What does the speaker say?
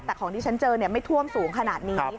แต่ของที่ฉันเจอไม่ท่วมสูงขนาดนี้